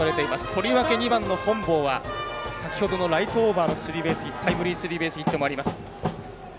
とりわけ、２番の本坊は先ほどのライトオーバーのタイムリースリーベースヒットもあります。